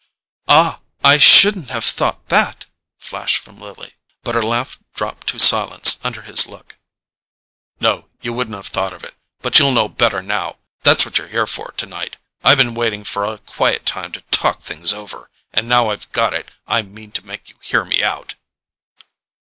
"Ah, I shouldn't have thought that!" flashed from Lily; but her laugh dropped to silence under his look. "No; you wouldn't have thought it; but you'll know better now. That's what you're here for tonight. I've been waiting for a quiet time to talk things over, and now I've got it I mean to make you hear me out."